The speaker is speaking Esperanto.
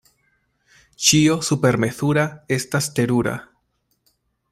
Ĉio supermezura estas terura.